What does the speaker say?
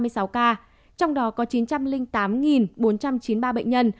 trong đó có chín trăm linh tám bốn trăm chín mươi ba bệnh nhân